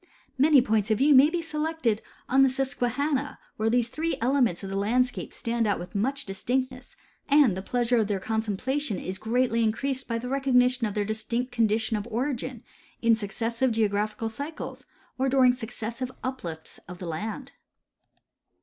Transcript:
Many points of view may be selected on the Susquehanna, where these tliree elements of the landscape stand out with much distinctness, and the pleasure. of their contemplation is greatly increased by the recognition of their distinct conditions of origin in succes sive geographical cycles or during successive uplifts of the land.